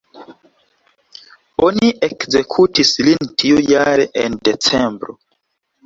Oni ekzekutis lin tiujare, en decembro.